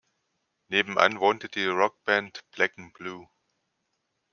Nebenan wohnte die Rock-Band "Black N' Blue".